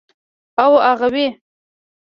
او اغوئ.